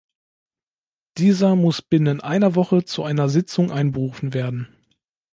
Dieser muss binnen einer Woche zu einer Sitzung einberufen werden.